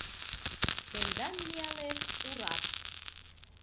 Тендан лиялеш урат